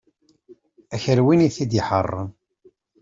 Akal win i t-id-iḥeṛṛen.